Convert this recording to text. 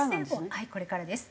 はいこれからです。